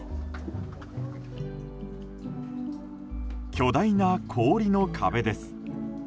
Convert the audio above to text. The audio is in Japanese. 巨大な氷の壁です。